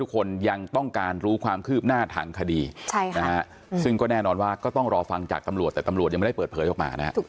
ขอบคุณครับ